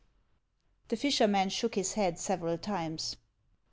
" The fisherman shook his head several times.